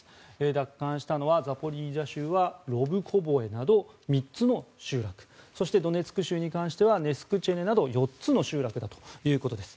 奪還したのはザポリージャ州はロブコボエなど３つの集落そして、ドネツク州に関してはネスクチェネなど４つの集落だということです。